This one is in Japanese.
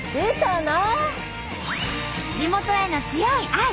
地元への強い愛。